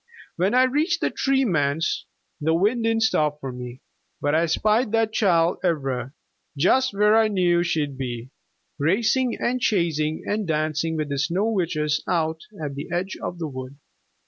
When I reached the Tree Man's the wind didn't stop for me, but I spied that child, Ivra, just where I knew she'd be, racing and chasing and dancing with the Snow Witches out at the edge of the wood.